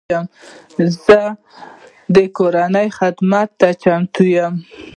زه د کورنۍ خدمت ته چمتو یم.